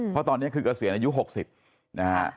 เพราะตอนนี้คือเกษียณอายุ๖๐นะฮะ